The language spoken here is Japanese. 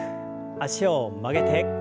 脚を曲げて。